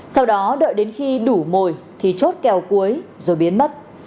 sau đó đợi đến khi đủ mồi thì chốt kèo cuối rồi biến mất